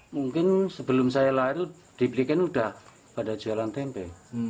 mungkin sebelum saya lahir di pliken sudah pada jualan tempe